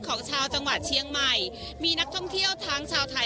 ของชาวจังหวัดเชียงใหม่มีนักท่องเที่ยวทั้งชาวไทย